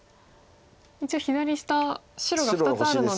一応左下白が２つあるので。